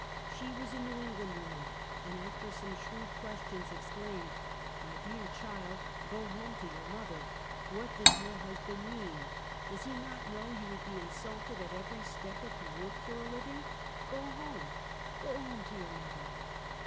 She was a J^ew England woman, and after some shrewd questions, exclaimed: "My dear child, go home to your mother! What does your husband mean? Does he not know you would be insulted at every step if you work for a liv ing? Go home — go home to your mother!"